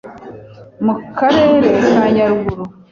Mu karere ka Nyaruguru